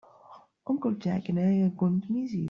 Uncle Jack and I are going to miss you.